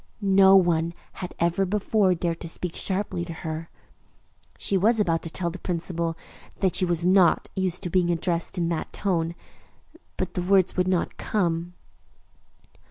No one had ever before dared to speak sharply to her. She was about to tell the principal that she was not used to being addressed in that tone, but the words would not come.